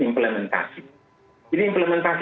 implementasi jadi implementasi